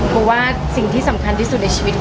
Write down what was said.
ปูว่าสิ่งที่สำคัญที่สุดในชีวิตคือ